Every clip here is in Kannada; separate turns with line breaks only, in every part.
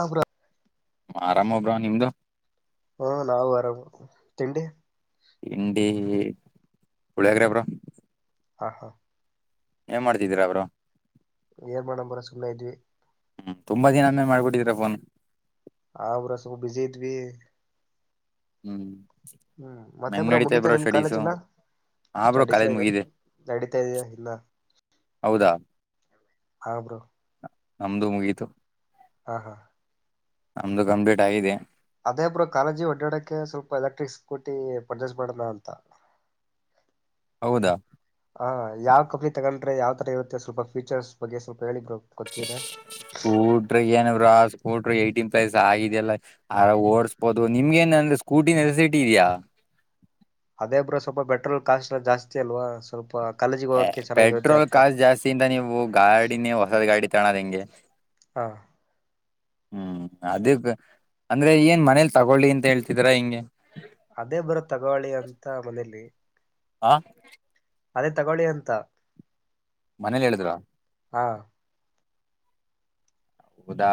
ಆಬರ
ಆರಾಮ ಒಬ್ರ ನಿಮ್ದು
ಹ್ಮ ನಾವು ಆರಾಮ್ ತಿಂಡಿ
ತಿಂಡಿ ಹುಳಿಯಾಗ್ರೆಬ್ರ
ಹಾ ಹಾ
ಏನ್ ಮಾಡ್ತಿದೀರಾ ಅವರು
ಏನ್ ಮಾಡ ಬರ ಸುಮ್ಮ ಇದ್ವಿ
ಹ್ಮ ತುಂಬಾ ದಿನಂದೆ ಮಾಡ್ಕೊಟ್ಟಿದರಾ ಫೋನ್
ಆ್ರಸ ಬಿಸ ಇದ ಇದ್ವಿ
ಹ್ಮ್
ಹ್ಮ್
ಹೆಂಗ್
ಮತ್ತೊಬ್ರ
ನಡೀತಾ
ಮುಗಿತ
ಬ್ರೋ
ನಿಮ್ ಕಾಲೇಜ
ಸ್ಟಡೀಸು
ಎಲ್ಲ
ಹಾ ಬ್ರೋ
ಸ್ಟಡೀಸ
ಕಾಲೇಜ್ ಮುಗಿದೆ
ನಡತಾಯ ಇನ್ನ
ಹೌದಾ
ಹಾ ಬ್ರೋ
ನಮ್ದು ಮುಗೀತು
ಹಾ ಹಾ
ನಮ್ದು ಕಂಪ್ಲೀಟ್ ಆಗಿದೆ
ಅದೇ ಬ್ರೋ ಕಾಲೇಜಿ ಒಡಾಡಕ್ಕೆ ಸ್ವಲ್ಪ ಎಲೆಕ್ಟ್ರಿಕ್ ಸ್ಕೂಟಿ ಪರ್ಜೆಸ್ ಮಾಡಣ ಅಂತ
ಹೌದಾ
ಹ ಯಾವ ಕಫರಿ ತಗಲ್ ಯಾವ ತರ ಇರುತ್ತೆ ಸ್ವಲ್ ಫೀಚರ್ಸ್ಗ್ ಸ್ವಲ್ಪ ಹೇಳಿದ್ರ ಗೊತ್ತೀರ
ಸ್ ಏಟನ್ ಪ್ಲಸ್ ಆಗಿದೆಲ್ಲ ಆರ ಓಡಸ್ಬೋದು ನಿಮ್ಗೆ ಏನ ಅಂದ್ರೆ ಸ್ಕೂಟಿ ನೆಸಸಿಟಿ ಇದೆಯಾ
ಅದೇಬ್ ಸ್ವಲ್ಪ ಬೆಟ್ರೋಲ್ ಕಾಸ್ಟ್ ಎಲ್ಲ ಜಾಸ್ತಿ ಅಲ್ವಾ ಸ್ವಲ್ಪ ಕಾಲೇಜಿಗೆ ಹೋಗಕ್ಕೆ ಚೆನ್ನಾಗಿರುತ್ತೆ
ಪೆಟ್ರೋಲ್
ಅಂತ
ಕಾಸ್ಟ್ ಜಾಸ್ತಿಯಿಂದ ನೀವು ಗಾಡಿನೇ ಹೊಸದ್ ಗಾಡಿ ತಣದ ಹೆಂಗೆ
ಹಾ
ಹ್ಮ್ ಅದಕ್ಕ ಅಂದ್ರೆ ಏನ್ ಮನೇಲಿ ತಗೊಳ್ಳಿ ಅಂತ ಹೇಳ್ತಿದ್ರ ಹಿಂಗೆ
ಅದೇ ಬರ ತಗೋಳಿ ಅಂತ ಮನೇಲಿ
ಹಾ
ಅದೇ ತಗೊಳ್ಳಿ ಅಂತ
ಮನೇಲಿ ಹೇಳಿದ್ರ
ಹಾ
ಹೌದಾ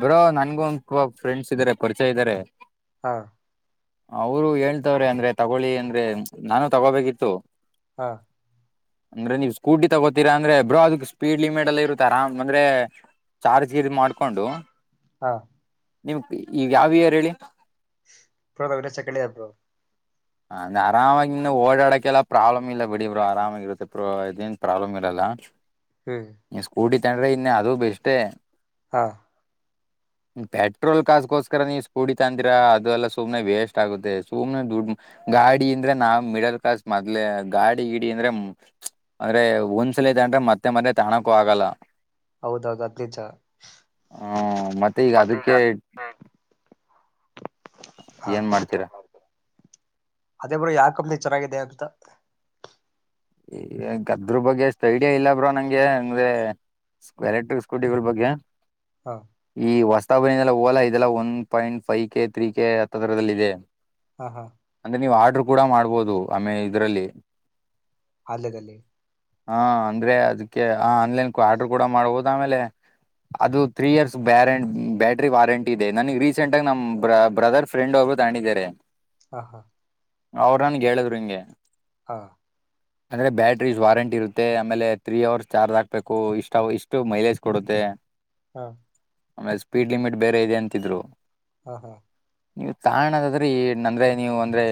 ಬರೋ ನನ್ಗು ಒ ಫ್ರೆಂಡ್ಸ್ ಇದ್ದಾರೆ ಪರಿಚಯ ಇದ್ದಾರೆ
ಹಾ
ಅವರು ಹೇಳ್ತವ್ರೆ ಅಂದ್ರೆ ತಗೋೊಳ್ಳಿ ಅಂದ್ರೆ ನಾನು ತಗೋಬೇಕಿತ್ತು
ಹಾ
ಅಂದ್ರೆ ನೀವು ಸ್ಕೂಟಿ ತಗೋತೀರಾ ಅಂದ್ರೆ ಬ್ರೋ ಅದಕ್ ಸ್ಪೀಡ್ ಲಿಮಿಟ್ ಅಲ್ಲ ಇರುತ್ತೆ ಆರಾಮ್ ಅಂದ್ರೆ ಚಾರ್ಜ್ ಗೀದ ಮಾಡ್ಕೊಂಡು
ಹಾ
ನಿಮ್ ಈಗ ಯಾವ ಇಯರ್ ಹೇಳಿ
ಬೋ ಸೆಂಕೇಡ್ ಇಯರ್ ಬೋ
ಹಂದ ಆರಾಮಾಗಿ ಓಡಾಡಕ್ಕೆೆಲ್ಲ ಪ್ರಾಬ್ಲಮ್ ಇಲ್ಲ ಬಿಡಿ ಇಬ್ರು ಆರಾಮಾಗಿರುತ್ತೆ ಬ್ರೋ ಇದೇನ್ ಪ್ರಾಬ್ಲಮ್ ಇರಲ್ಲ
ಹ್ಮ್
ಈ ಸ್ಕೂಟಿ ಇತ್ತ್ರೆ ಇನ್ನು ಅದು ಬೆಷ್ಟೇ
ಹಾ
ಪೆಟ್ರೋಲ್ ಕಾಸಕೋಸ್ಕರ ನೀವು ಸ್ಕೂಡಿ ತಂದಿರ ಅದೆಲ್ಲ ಸುಮನೆ ವೇಸ್ಟ್ ಆಗುತ್ತೆ ಸುಮ್ನೆ ದುಡ್ಡು ಗಾಡಿ ಅಂದ್ರೆ ನಾವ್ ಮಿಡಲ್ ಕ್ಲಾಸ್ ಮೊದ್ಲೆ ಗಾಡಿ ಗಿಡ ಅಂದ್ರೆ ಅಂದ್ರೆ ಒಂದ್ಸಲತಂದ್ರೆ ಮತ್ತೆ ಮದೆ ತಾಣಕೂ ಆಗಲ್ಲ
ಹೌದೌದು ಅದ್ಲಜತ್ತ
ಹ್ಮ್ ಮತ್ತೆ ಈಗ
ಹನ್
ಅದಕ್ಕೆ
ಮಾಡ [inaudible]
ಏನ್ ಮಾಡ್ತೀರಾ
ಅದೇ ಬರ ಯಾವ ಕಂಪ್ನಿ ಚೆನ್ನಾಗಿದೆ ಅಂತ
ಈ ಗದ್ರ ಬಗ್ಗೆ ಎಷ್ಟು ಐಡಿಯಾ ಇಲ್ಲ ಬ್ರೋ ನಂಗೆ ಅಂದ್ರೆ ಎಲೆಕ್ಟ್ರಿಕ್ ಸ್ಕೂಟಿಗಳ ಬಗ್ಗೆ
ಹಾ
ಈ ವಸ ಓಲಾದೆಲ್ಲ one point five K three K ಹರದಲ್ಲಿ ಇದೆ
ಹಾ ಹಾ
ಅಂದ್ರೆ ನೀವು ಆಡ್ ಕೂಡ ಮಾಡ್ಬೋದು ಆಮೇ ಇದ್ರಲ್ಲಿ
ಅಲ್ಲಗಲೆ
ಹಾ ಅಂದ್ರೆ ಅದಕ್ಕೆ ಆನ್ಲೈನ್ ಆರ್ಡರ್ ಕೂಡ ಮಾಡಬಹುದು ಆಮೇಲೆ ಅದು ತ್ರೀ ಇಯರ್ಸ್ ಬ್ಯಾರಂ ಬ್ಯಾಟ್ರಿ ವಾರಂಟಿ ಇದೆ ನನಗ್ ರೀಸೆಂಟ್ ಆಗ ನಮ್ ಬ್ರದರ್ ಫ್ರೆಂಡ್ ಅವರು ತ ಅಂಡಿದ್ದಾರೆ
ಹಾ ಹಾ
ಅವ್ರನ್ಗೆ ಹೇಳಿದ್ರು ಹಿಂಗೆ
ಹಾ
ಅಂದ್ರೆ ಬ್ಯಾಟ್ರೀಸ್ ವಾರಂಟಿ ಇರುತ್ತೆ ಆಮೇಲೆ ತ್ರೀ ಅವರ್ಸ್ ಚಾರ್ಜ್ ಹಾಕ್ಬೇಕು ಇಷ್ಟ ಇಷ್ಟು ಮೈಲೇಜ್ ಕೊಡುತ್ತೆ
ಹಾ
ಆಮೇಲೆ ಸ್ಪೀಡ್ ಲಿಮಿಟ್ ಬೇರೆ ಇದೆ ಅಂತಿದ್ರು
ಹಾ ಹಾ
ನೀವು ತದಾದ್ರೆ ಏ ಅಂದ್ರೆ ನೀವು ಅಂದ್ರೆ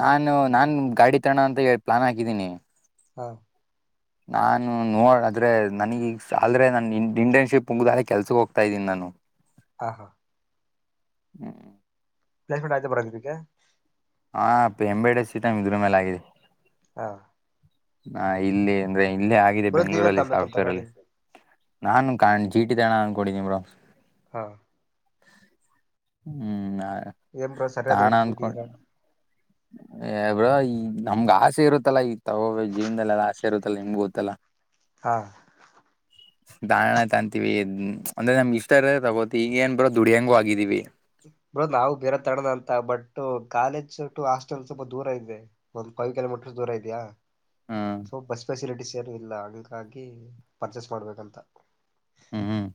ನಾನು ನಾನ್ ಗಾಡಿ ತಾಣ ಅಂತ ಹ ಪ್ಲಾನ್ ಹಾಕಿದ್ದೀನಿ
ಹಾ
ನಾನು ನೋ ಅ ಆದ್ರೆ ನನಗ ಆದ್ರೆ ನಾನ ಇಂಟರ್ನ್ಶಿಪ್ ಮುಗ್ದಳೆ ಕೆಲ್ಸಕ್ಕೆ ಹೋಗ್ತಾ ಇದ್ದೀನಿ ನಾನು
ಹ ಹಾ
ಹ್ಮ್ [inaudible]
ಪ್ಲೇಸ್ಮೆಂಟ್ ಆಯ್ತಾ ಬರೋದಕ್ಕೆ
ಹಾ ಎಂಬೆಡ ಸೀಟಮ ಇದ್ರ ಮೇಲೆ ಆಗಿದೆ
ಹಾ
ನಾ ಇಲ್ಲಿ ಅಂದ್ರೆ ಇಲ್ಲೇ ಆಗಿದೆ
ಬ್ರೋ ನೀವೇ
ಬೆಂಳೂರಲ್ಲಿ
ತಗಬೇಕು ಅಂತ
ಸಾಫ್ಟ್ವೇರ್
ಗಾಡಿ
ಅಲ್ಲಿ ನಾನು ಕಾಣ ಜೀಟಿ ತಾಣ ಅಂದಕಿದೀ ಬ್ರ
ಹಾ
ಹ್ಮ್
ಏನ್ ಬರ ಸರಿಯಾದ ಎಡ್ತಬಟಿದರ
ಬ್ರ ಈ ನಮ್ಗ ಆಸೆ ಇರುತ್ತಲ್ಲಾ ಈ ತಗೋ ಜೀವನದಲ್ಲಿ ಅ ಆಸೆ ಇರುತ್ತಲ್ಲ ನಿಮ್ಗು ಗೊತ್ತಲ್ಲ
ಹಾ
ದಾರಣ ತಂತೀವಿ ಅಂದ್ರೆ ನಮ ಇಷ್ಟ ಇದ ತಗೋತಿ ಈಗ ಏನ್ ಬರೋ ದುಡ್ಯಾಂಗೂ ಆಗಿದ್ದೀವಿ
ಬಿಡ ನಾವು ಬೇರೆ ತಡದ ಅಂತ ಬಟ್ ಕಾಲೇಜ್ ಟು ಹಾಸ್ಟೆಲ್ ಸ್ವಲ್ಪ ದೂರ ಇದೆ ಒಂದ್ ಫೈವ್ ಕಿಲೋಮೀಟರ್ ದೂರ ಇದೆಯಾ
ಹ್ಮ್
ಸೊ ಬಸ್ ಫೆಸಿಲಿಟಿ ರು ಇಲ್ಲ ಹಂಗಾಗಿ ಪರ್ಚೇಸ್ ಮಾಡ್ಬೇಕಂತ
ಹ್ಮ್ ಹ್ಮ್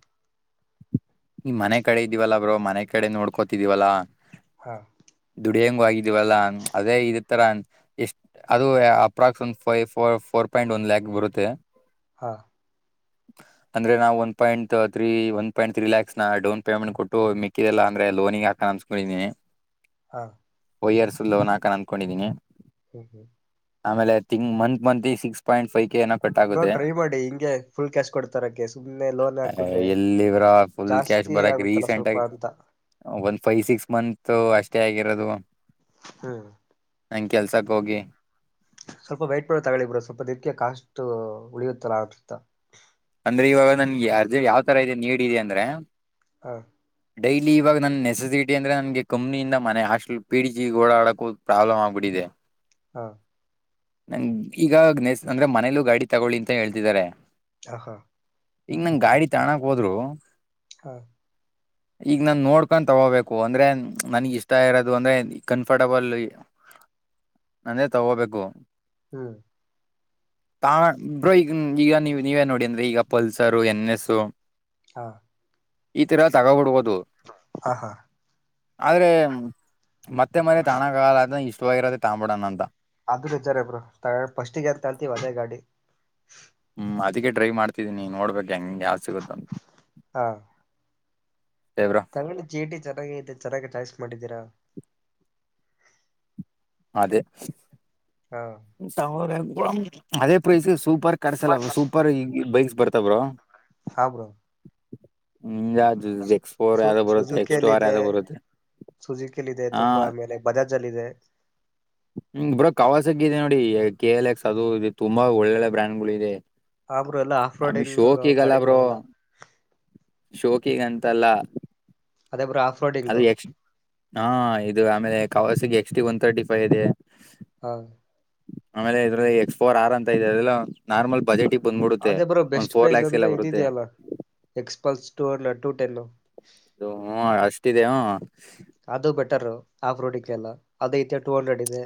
ಈ ಮನೆ ಕಡೆ ಇದ್ದಿವವಲ್ಲಾ ಬ್ರೋ ಮನೆ ಕಡೆ ನೋಡ್ಕೋತಿದೀವಲ್ಲಾ
ಹಾ
ದುಡಿಯಂಗ ಆಗಿದೀವಲ್ಲಾ ಅದೇ ಇದ ರ ಎಷ್ಟ ಅದು ಅಪ್ರಾಕ್ಸ ಫೈವಫೋರ್ ಫೋರ್ ಪಾಯಿಂಟ್ ಒಂದ್ ಲ್ಯಾಕ್ ಬರುತ್ತೆ
ಹಾ
ಅಂದ್ರೆ ನಾವು one point three one point three lakh ತ ಡೌನ್ ಪೇಮೆಂಟ್ ಕೊಟ್ಟು ಮಿಕ್ಕಿದೆಲ್ಲ ಅಂದ್ರೆ ಲೋನಿ ಹಾಕ ಅನ್ಸ್ಕೊಂಡಿದೀನಿ
ಹಾ
ಒಯ್ಯರ್ಸುಲ್ಲೋ ನಾಕನ್ ಅಂದ್ಕೊಂಡಿದ್ದೀನಿ
ಹ್ಮ್ ಹ್ಮ್
ಆಮೇಲೆ ತಿಂಗ್ month six point five K ಏನೋ ಕಟ್
ನೋ
ಆಗುತ್ತೆ
ಟ್ರೈ ಮಾಡಿ ಹಿಂಗೆ ಫುಲ್ ಕ್ಯಾಶ್ ಕೊಡ್ತಾರಕ ಸುಮ್ನೆ ಲೋನ್ ಹಾಕುದ್ರೆ
ಎಲ್ಲಿ ಬ್ರೋ ಫುಲ್ ಕ್ಯಾಶ್
ಜಾಸ್ತಿ
ಬರಕ್
ಆಗುತ್ತಲ್ಲ
ರೀಸೆಂಟ್
ಸ್ವಲ್ಪ
ಆಗ
ಅಂತ
ಒಂದ ಫೈವ್ ಸಿಕ್ಸ್ ಮಂತ್ ಅಷ್ಟೇ ಆಗಿರೋದು
ಹ್ಮ್
ನಂಗೆ ಕೆಲ್ಸಕ್ ಹೋಗಿ
ಸ್ವಲ್ಪ ವೈಟ್ ಪಡ ತಗಳಿ ಬ್ರ ಸ್ವಲ್ಪ ದಿಕ್ಕ ಕಾಸ್ು ಉಳಿಯುತ್ತಲ್ಲ ಆತ್ತ
ಅಂದ್ರೆ ಇವಾಗ ನನ್ಗೆ ಅರ್ಜೆ ಯಾವ್ ತರ ಇ ನೀಿದೆ ಅಂದ್ರೆ
ಹಾ
ಡೈಲಿ ಇವಾಗ ನನ್ನ ನೆಸೆಸಿಟಿ ಅಂದ್ರೆ ನನ್ಗೆ ಕಂಪ್ನಿಯಿಂದ ಮನೆ ಹಸ್ಟೆಲ್ ಪಿಡಿ ಜಿ ಓಡಾಡೋಕ್ಕೂ ಪ್ರಾಬ್ಲಮ್ ಆಗ್ಬಿಟ್ಟಿದೆ
ಹಾ
ನಂಗ ಈಗ ನೆಸ್ ಅಂದ್ರೆ ಮನೇಲೂ ಗಾಡಿ ತಗೊಳ್ಳಿ ಅಂತ ಹೇಳ್ತಿದ್ದಾರೆ
ಹ ಹಾ
ಈಗ ನಂಗ ಗಾಡಿ ತಕ್ ಹೋದ್ರು
ಹಾ
ಈಗ ನಾನ್ ನೋಡ್ಕೊಂಡ್ ತಗೋಬೇಕು ಅಂದ್ರೆ ನನ್ಗ್ ಇಷ್ಟ ಇರೋದು ಅಂದ್ರೆ ಕಂಫರ್ಟಬಲ್ ನಂದೇ ತಗೋಬೇಕು
ಹ್ಮ್
ತಾ ಬ್ರೋ ಈಗ ಈಗ ನೀವ ನೀವೇ ನೋಡಿ ಅಂದ್ರೆ ಈಗ ಪಲ್ಸರ್ ಎನ್ ಎಸ್
ಹಾ
ಈ ತರ ತಗೋಬಡ್ಬಹುದು
ಹ ಹಾ
ಆದ್ರೆ ಮತ್ತೆ ಮನೆೆ ತಾಣಗಾಲ ಆದೆ ಇಷ್ಟವಾಗಿರತ್ತೆ ತಾಂಬೋಡೋಣ ಅಂತ
ಅದ ನಿಜಾರಬ್ರು ಫಸ್ಟಿಗೆ ಅಂತ ಅಳ್ತೀವ ಅದೇ ಗಾಡಿ
ಹ್ಮ್ ಅದಕ್ಕೆ ಡೈವ್ ಮಾಡ್ತಿದ್ದೀನಿ ನೀ ನೋಡ್ಬೇಕು ಗಂಗಗೆ ಯಾವುದ ಸಿಗುತ್ತೋ
ತಗಳಿ ಚೀಟಿ ಚೆನ್ನಾಗತೆ ಚೆನ್ನಾಗ ಚಾಯ್ಸ್ ಮಾಡಿದ್ದೀರಾ
ಅದೇ
ಹಾ
ಸಾವ್ರ ಅದೇ ಪ್ರೈಸ್ ಸೂ ಸೂಪರ್ ಕಟ್ಸಲ್ಲವ ಸೂಪರ್ ಈ ಬೈಕ್ ಬರ್ತಬ್ರ [unintelligible]
ಹಬ್ರೋ
ಹ [inaudible] ನಿ ಎಕ್ಸ್ಪೋರ್
ಸು
ಯಾವ್ದೋ ಬರುತ್ತೆ
ಸುಜುಕಿಯಲ್ಲಿ
ಎಕ್ಸ್ಟೋರ್
ಇದೆ
ಯಾವ್ದೋ ಬರುತ್ತೆ
ಸುಜುಕಿಯಲ್ಲಿ ಇದೆ
ಹ
ತುಂಬಾ ಆಮೇಲೆ ಬಜಾಜ್ ಅಲ್ಲಿ ಇದೆ
ಬರೋವಾಸ ನೋಡಿ ಕೆ ಎಲ್ ಎಕ್ಸ್ ಅದು ಇದು ತುಂಬಾ ಒಳ್ಳೊಳ್ಳೆ ಬ್ರ್ಯಾಂಡ್ ಗಳು ಇದೆ
ಆಮರು ಎಲ್ಲ ಆಫ
ನಮಗ್
ರೋಡಿಂಗ್ ಗಾಡಿ ಬಿಡದಲ
ಶೋಕಿಗಂತಲ್ಲ
ಅದೇ ರೋಡಿಂಗ್
ಅದು ಎಸ್ ಹಾ ಇದು ಆಮೇಲೆ ಕವಾಸಿಗೆ X T one thirty five ಇದೆ
ಹಾ
ಆಮೇಲೆ ಇದ್ರ ಎಕ್ಸ್ಫೋರ್ ಆರ್ ಅಂತ ಇದೆ ಅಲ್ಲ [unintelligible]
ಅದೇ ಬರೋ ಬೆಸ್ಟ್ ಪ್ರೈಸ್
ಲ್ಯಾಕ್ಸ್
ಅಂದ್ರೆ
ಎಲ್ಲ
ಇದಿದ
ಬರುತ್ತೆ
ಅಲ್ಲ X pulse two and two ten
ಹೂ ಅಷ್ಟಿದೆ
ಅದು ಬೆಟರ್ ಆಫ್ ರೋಡ್ಿಕ ಎಲ್ಲ ಅದೇಐ ಟೂ ಹಂಡ್ರೆಡ್ ಇದೆ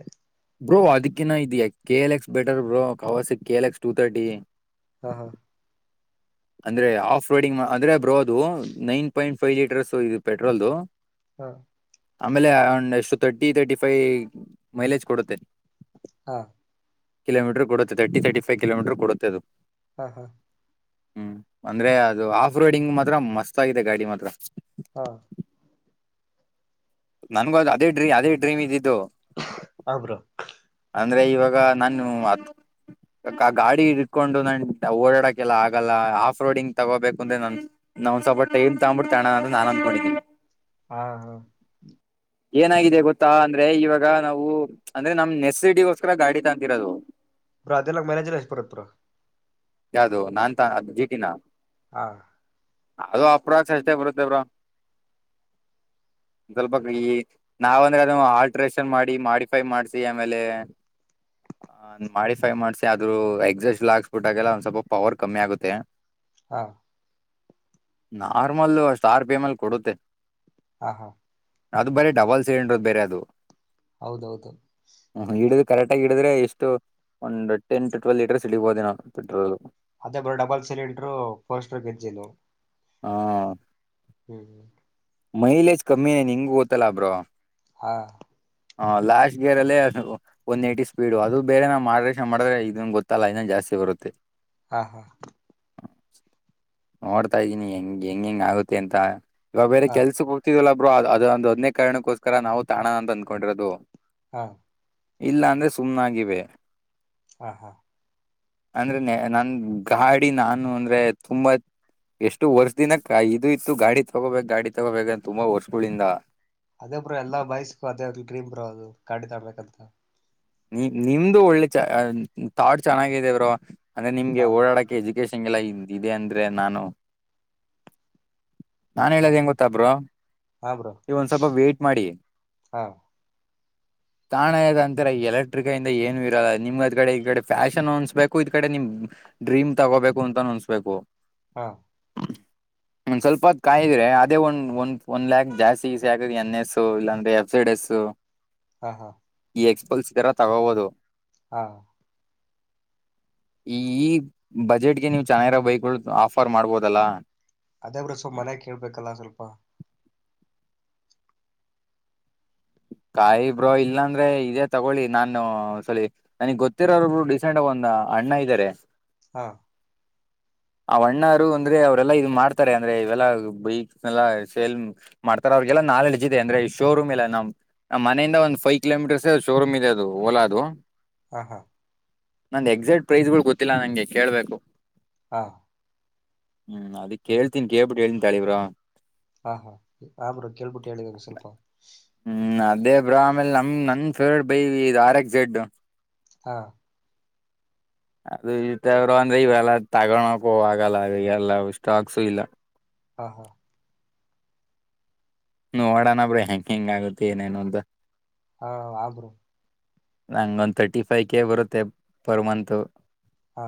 ಬ್ರೋ ಅದಕ್ಕಿನ್ನ ಇ K L X better bro Kawasaki K L X two thirty
ಹಾ ಹಾ
ಅಂದ್ರೆ ಆಫ್ ರೋಡಿಂಗ್ ಅಂದ್ರೆ ಬರೋದು ನೈನ್ ಪಾಯಿಂಟ್ ಫೈವ್ ಲೀಟರ್ಸ್ ಇದು ಪೆಟ್ರೋಲ್ದು
ಹಾ
ಆಮೇಲೆಂಡ್ ಎಷ್ಟು ತರ್ಟಿ ತರ್ಟಿ ಫೈವ್ ಮೈಲೇಜ್ ಕೊಡುತ್ತೆ
ಹಾ
ಕಿಲೋಮೀರ್ ಕೊಡುತ್ತೇವೆ ತರ್ಟಿ ತರ್ಟಿಫೈವ ಕಿಲೋಮೀಟರ್ ಕೊಡುತ್ತ ಅದು
ಹಾ ಹಾ
ಹ್ಮ್ ಅಂದ್ರೆ ಅದು ಆಫ್ ರೋಡಿಂಗ್ ಮಾತ್ರ ಮಸ್ತ್ ಆಗಿದೆ ಗಾಡಿ ಮಾತ್ರ
ಹಾ
ನನ್ಗೂ ಅದು ಅದೇ ಡ್ರೀ ಅದೇ ಡ್ರೀಮ್ ಇದ್ದಿದ್ದು
ಹ ಬ್ರೋ
ಅಂದ್ರೆ ಇವಾಗ ನಾನು ಗಾಡಿ ಇಟ್ಕೊಂಡು ನಾನು ಓಡಾಡಕೆಲ್ಲ ಆಗಲ್ಲ ಆಫ್ ರೋಡಿಂಗ್ ತಗೋಬೇಕು ಅಂದ್ರೆ ನಾನು ನಾ ಒಂದ ಸ್ವಲ್ಪ ಟೈಮ್ ತಗ್ಬಿಡ್ತಣ ಅಂದೆ ನಾನನ್ ಅಂದ್ಕೊಂಡಿದ್ದೀನಿ
ಹಾ ಹಾ
ಏನಾಗಿದೆ ಗೊತ್ತಾ ಅಂದ್ರೆ ಇವಾಗ ನಾವು ಅಂದ್ರೆ ನಮ್ ನೆಸಸಿಟಗೋಸ್ಕರ ಗಾಡಿ ತಂತಿರೋದು
ರಾಧೆಲ್ಲ ಮೈನಾಡಿಜಲ್ಲ ಪತ್ ಪರ
ಯಾವ್ದು ನಾನ್ಂತ ಅ ಜೀಟಿನ
ಹಾ
ಅದು ಅಪ್ರ ಅಷ್ಟೇ ಬರುತ್ತೆ ಬ್ರ ಸ್ವಲ್ಪ ಈ ನಾವ ಅಂದ್ರೆ ಅದು ಆಲ್ಟ್ರೇಷನ್ ಮಾಡಿ ಮಾಡಿಫೈ ಮಾಡ್ಸಿ ಆಮೇಲೆ ಮಾಡಿಫೈ ಮಾಡ್ಸಿ ಆದ್ರೂ ಎಕ್ಸಸ್ಲ್ ಹಾಕ್ಸ್ಬಿಟ್ಟಾಗೆಲ್ಲ ಸ್ವಲ್ಪ ಪವರ್ ಕಮ್ಮಿ ಆಗುತ್ತೆ
ಹಾ
ನಾರ್ಮಲ್ ಸ್ಟಾರ್ ಪೇ ಮೇಲ್ ಕೊಡುತ್ತೆ
ಆ ಹಾ
ಅದು ಬರೀ ಡಬಲ್ ಸಿಲಿಂಡರ್ದ ಬೇರೆ ಅದು
ಹೌದೌದು
ಕರೆಕ್ಟ್ ಆಗಿಡ್ರೆ ಎಷ್ಟು ಒಂದು ಟನ್ ಟ ಟ್ವೆಲ್ವ ಲೀಟರ್ ಸಿಡಿಬಹೋೇ ನಾವು ಪೆಟ್ರೋಲ್
ಅದೇ ಬರ ಡಬಲ್ ಸಿಲಿಂಡರು ಫೋರ್ ಸ್ಟರ್ ಗಂಜಿಲು
ಹಾ
ಹ್ಮ್್ಮ
ಮೈಲೇಜ್ ಕಮ್ಮಿ ನಿಂಗು ಓತ್ತಲ್ಲಾಬ್ರೋ
ಹಾ
ಹ ಲಾಸ್್ ಗೇರ್ ಅಲ್ಲೇ ಒನ್ ಏ್ಟಿ ಸ್ಪೀಡು ಅದು ಬೇರೆ ನಾ ಮಾಡ್ರೇಶಷನ್ ಮಾಡಿದ್ರೆ ಇದನ್ ಗೊತ್ತಲ್ಲ ಇದನ್ನ ಜಾಸ್ತಿ ಬರುತ್ತೆ
ಹಾ ಹಾ
ನೋಡ್ತಾ್ದೀನಿ ಹೆಂಗ್ ಹೆಂಗ್ ಹೆಂಗ್ ಆಗುತ್ತೆ ಅಂತ
ಹಾ
ಕೆಲ್ಸ ಹೋಗತಿದಲ್ಲ ಒಬ್ ಅದೊ ಒಂದ ಒದ್ನೇ ಕಣಕ್ಕೋಸ್ಕರ ನಾವು ತಾಣಣ ಅಂತ ಅಂದ್ಕೊಂಡಿರೋದು
ಹಾ
ಇಲ್ಲಾಂದ್ರೆ ಸುಮ್ನಾಗಿವೆ
ಹಾ ಹಾ
ಅಂದ್ರೆ ನನ್ ಗಾಡಿ ನಾನು ಅಂದ್ರೆ ತುಂಬಾತ್ ಎಷ್ಟು ವರ್ಷ ದಿನಕ್ಕೆ ಇದು ಇತ್ತು ಗಾಡಿ ತಗೋಬೇಕು ಗಾಡಿ ಬೇ ತುಂಬಾ ವರ್ಷಗಳಿಂದ
ಅದೇ ಬ್ರೋ ಎಲ್ಲಾ ಬಯಸ್ಕು ಅದೇ ಗ್ರೀಮ ಬ್ರ ಅದು ಕಾಡಿ ತಾಡ್ಬೇಕಂತ
ನಿ ನಿಮ್ದು ಒಳ್ಳೆ ಚ ತಾಟ್ ಚೆನ್ನಾಗಿದೇವರು ಅಂದ್ರೆ ನಿಮಗೆ
ಹಾ
ಓಡಾಡಕ್ಕೆೆಜು ೇಶಗೆಲ್ಲ ಇ ಇದೆ ಅಂದ್ರೆ ನಾನು ನಾನ್
ಹಾ
ಹೇಳೋದ್ ಹೆಂಗ
ಹಾ
ಗೊತ್ತಬ್ರ
ಹಾ ಬ್ರೋ
ನೀವ ಒಂದ್ ಸ್ವಲ್ಪ ವೇ್ಟಟ್ ಮಾಡಿ
ಹಾ
ತಾಣಯದಂತ ಈರ ಎಲೆಕ್ಟ್ರಿಕಂದ ಏನು ಇರಲ್ಲ ನಿಮ್ ಅ್ ಕಡೆ ಈ ಕಡೆ ಫ್ಯಾಷನ್ ಅನ್ಸ್ಬೇಕು ಇದ್ ಕಡೆ ನಿಮ್ ಡ್ರೀಮ್ ತಗೋಬೇಕು ಅಂತ ಅನ್ಸ್ಬೇಕು
ಹಾ
ನಿ್ ಸ್ವಲ್ಪದ್ ಕಾಯಿದ್ರೆ ಅದೇ ಒಂದ ಒಂದ ಒ್ ಲ್ಯಾಕ್ ಜಾಸ್ತಿ ಸೆಕ ಎನ್ ಎಸ್ ಇಲ್ಲಾಂದ್ರೆ ಎಫ್ಸಡ್ ಎಸ್
ಹಾ ಹಾ
ಈ ಎಕ್ಸ್ಪೋಲ್ಸ್ ಇದ ತರ ತಗೋಬಹುದು
ಹಾ
ಈ ಬಜೆಟ್ಗೆ ನೀವು ಚೆನ್ನಾಗಿರೋ ಬೈಕ್ಗಳು ಆಫರ್ ಮಾಡ್ಬೋದಲ್ಲ
ಅದೇ ಬ್ರಸೊ ಮನೆಯ ಕೇಳ್ಬೇಕಲ್ಲ ಸ್ವಲ್ಪ
ಕಾಯಿ ಬ್ರೋ ಇಲ್ಲಾಂದ್ರೆ ಇದೇ ತಗೊಳ್ಳಿ ನಾನು ಸರಿ ನನಗ್ ಗೊತ್ತಿರೋರ್ಬ್ರು ಡಿಸೆಂಟ್ಗ ಒಂದ ಅಣ್ಣ ಇದಾರೆ
ಹಾ
ಆ ಅಣ್ಣರು ಅಂದ್ರೆ ಅವ್ರೆಲ್ಲಾ ಇ್ ಮಾಡ್ತಾರೆ ಅಂದ್ರೆ ಇವೆಲ್ಲ ಬೈ ಎ ಸೇಲ್ ಅಂತ ಅಂತ ಮಾಡ್ತಾರೆ ಅವ್ರಿಗೆಲ್ಲ ನಾಲೆಡ್್ ಇದೆ ಅಂದ್ರೆ ಶೋರೂಮ್ ಎಲ್ಲ ನಮ್ ನಮ್ಮ್ ಮನೆಯಿಂದ ಒಂದ್ ಫೈವ್ ಕಿಲೋಮೀಟರ್ಸ್ ಶೋರೂಮ್ ಇದೆ ಅದು ಓಲಾ ಅದು
ಹಾ ಹಾ
ನಂದು ಎಕ್ಸಾಕ್ಟ್ ಪ್ರೈಸ್ಗಳು ಗೊತ್ತಿಲ್ಲ ನಂಗೆ ಕೇಳಬೇಕು
ಹ
ಹ್ಮ್ ಅದು ಕೇಳ್ತೀನಿ ಕೇಳಿಬಿಟ್ಟು ಹೇಳ್ತಿನಿ ತಾಲಿ ಬ್ರೋ
ಹಾ ಹಾ ಆ ಬ್ರೋ ಕೇಳಿಬಿಟ್ಟು ಹೇಳಿ ಒಂದು ಸ್ವಲ್ಪ
ಹ್ಮ್ ಅದೇ ಬ್ರೋ ಆಮೇಲೆ ನಮ್ ನನ್ favourite bike R X Z
ಹ
ಅದು ಇದ್ದವರು ಅಂದ್ರೆ ಇವೆಲ್ಲ ತಗೋಳಕು ಆಗಲ್ಲ ಇ ಎಲ್ಲ ಸ್ಟಾಕ್ಸು ಇಲ್ಲ
ಹಾ ಹಾ
ನೋಡಣ ಬ್ರೋ ಹೆಂಗ ಹೆಂಗ ಆಗುತ್ತೆ ಏನೇನು ಅಂತ
ಹಾ ಹಾ ಬ್ರೋ
ನಂಗ ಒಂದ ತರ್ಟಿ ಫೈವ್ ಕೆ ಬರುತ್ತೆ ಪರ್ ಮಂತ್
ಹ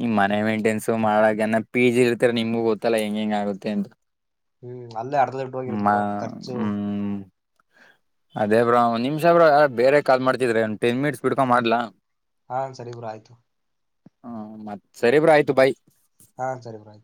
ಇನ್ನು ಮನೆ ಮೇಂಟೆನ್ಸ ಮಾಡಕೆನೆ ಪಿ ಜಿ ಇರ್ತ ನಿಮಗು ಗೊತ್ತಲ್ಲಾ ಹೆಂಗ ಹೆಂಗ ಆಗುತ್ತೆ ಅಂತ
ಹ್ಮ್ ಅಲ್ಲೇ ಅರ್ಧ ಹೋಗಿರತ್
ಮ
ಬ್ರೋ ಖರ್ಚು
ಹ್ಮ್ ಅದೇ ಬ್ರೋ ಒಂದ್ ನಿಮಿಷ ಬೇರೆ ಕಾಲ್ ಮಾಡ್ತಿದ್ರಿ ಒಂದು ಟೆನ್ ಮಿನಿಟ್ಸ್ ಬಿಟ್ಟುಕೊಂಡು ಮಾಡ್ಲಾ
ಹಾ ಸರಿ ಬ್ರೋ ಆಯ್ತು
ಹ್ಮ ಮತ್ತ್ ಸರಿಬ ಬ್ರೋ ಆಯ್ತು ಬೈ
ಹಾ ಸರಿ ಬೈ